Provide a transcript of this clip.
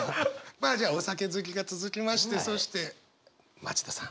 まあじゃあお酒好きが続きましてそして町田さん。